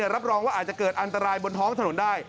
รับรองว่าอาจจะเกิดอันตรายบนท้องถนนได้